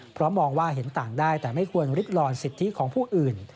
เพราะมองว่าเห็นต่างได้แต่ไม่ควรริดลอนสิทธิของผู้อื่น